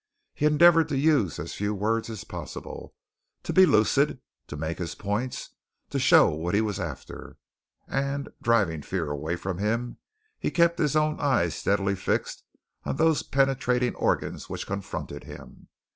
He endeavoured to use as few words as possible, to be lucid, to make his points, to show what he was after and, driving fear away from him, he kept his own eyes steadily fixed on those penetrating organs which confronted him.